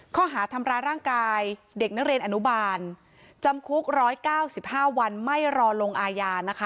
ข้อหาทำร้าร่างกายเด็กนักเรียนอนุบาลจำคลกร้อยเก้าสิบห้าวันไม่รอลงอายานะคะ